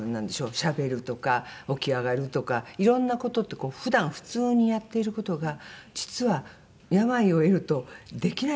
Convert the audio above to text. しゃべるとか起き上がるとかいろんな事って普段普通にやっている事が実は病を得るとできない事がいっぱい出てきて。